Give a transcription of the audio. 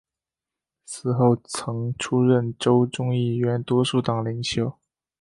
此后曾出任州众议院多数党领袖。